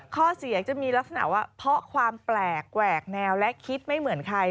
ข้อเสียงจะมีลักษณะว่าเพราะความแปลกแหวกแนวและคิดไม่เหมือนใคร